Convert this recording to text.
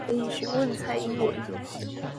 可以詢問蔡英文